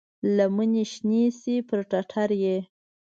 لمنې شنې شي پر ټټر یې،